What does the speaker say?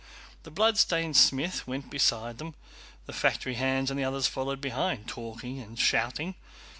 The bloodstained smith went beside them. The factory hands and others followed behind, talking and shouting.